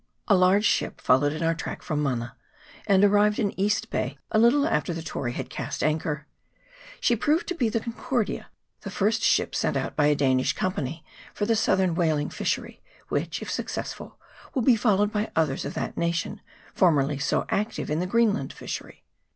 A large ship followed in our track from Mana, and arrived in East Bay a little after the Tory had cast anchor. She proved to be the Con i2 116 EAST BAY. [PART i. cordia, the first ship sent out hy a Danish company for the southern whaling fishery, which, if success ful, will be followed by others of that nation, for merly so active in the Greenland fishery.